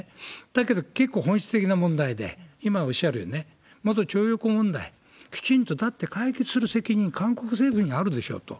だけど、結構本質的な問題で、おっしゃるようにね、元徴用工問題、きちんと、だって解決する責任、韓国政府にあるでしょうと。